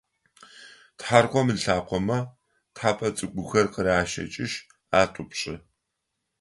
Тхьаркъом ылъакъомэ тхьэпэ цӏыкӏухэр къаращэкӏышъ атӏупщы.